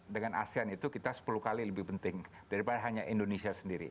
dengan asean itu kita sepuluh kali lebih penting daripada hanya indonesia sendiri